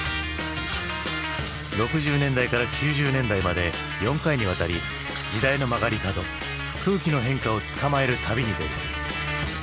６０年代から９０年代まで４回にわたり時代の曲がり角空気の変化をつかまえる旅に出る。